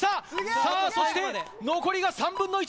さあ、そして、残りが３分の１。